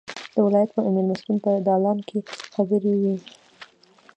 د ولایت مېلمستون په دالان کې خبرې وې.